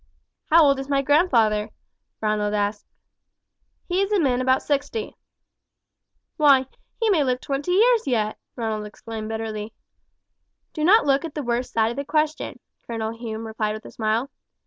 "How old is my grandfather?" Ronald asked. "He is a man about sixty." "Why, he may live twenty years yet!" Ronald exclaimed bitterly. "Do not look at the worst side of the question," Colonel Hume replied with a smile.